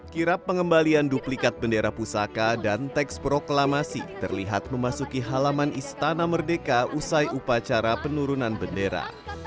kira pengembalian duplikat bendera pusaka dan teks proklamasi terlihat memasuki halaman istana merdeka usai upacara penurunan bendera